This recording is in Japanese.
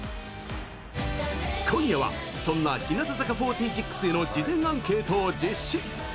今夜はそんな、日向坂４６への事前のアンケートを実施。